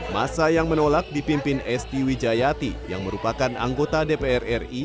masa yang menolak dipimpin esti wijayati yang merupakan anggota dpr ri